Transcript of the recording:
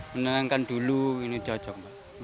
menenangkan dulu ini cocok